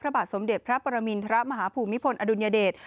บาทสมเด็จพระปรมินทรมาฮภูมิพลอดุลยเดช